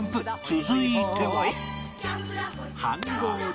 続いては